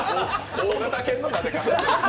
大型犬のなで方。